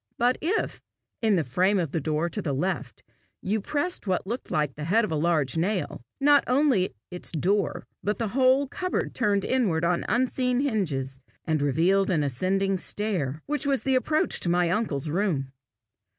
But if, in the frame of the door to the left, you pressed what looked like the head of a large nail, not its door only but the whole cupboard turned inward on unseen hinges, and revealed an ascending stair, which was the approach to my uncle's room.